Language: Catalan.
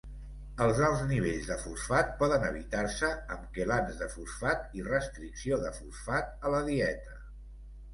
Els alts nivells de fosfat poden evitar-se amb quelants de fosfat i restricció de fosfat a la dieta.